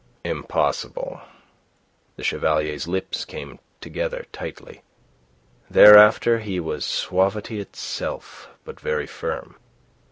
"Impossible." The Chevalier's lips came together tightly. Thereafter he was suavity itself, but very firm.